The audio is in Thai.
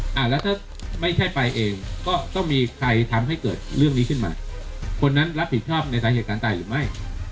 อ่าแล้วถ้าไม่ใช่ไปเองก็ต้องมีใครทำให้เกิดเรื่องนี้ขึ้นมาคนนั้นรับผิดชอบในสาเหตุการณ์ตายหรือไม่